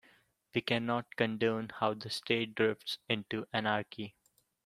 We cannot condone how the state drifts into anarchy.